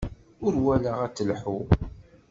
Ur walaɣ ad telḥu.